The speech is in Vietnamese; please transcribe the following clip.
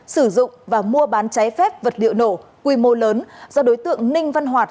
sử dụng và mua bán trái phép vật liệu nổ quy mô lớn do đối tượng ninh văn hoạt